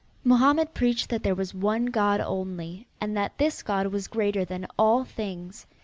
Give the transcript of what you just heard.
Mohammed preached that there was one God only, and that this God was greater than all things.